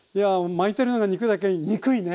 巻いてるのが肉だけににくいね！